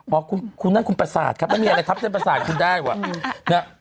บอกคุณนั่งคุณประศาจครับไม่มีอะไรทับเส้นประศาจอย่างคุณได้ว่า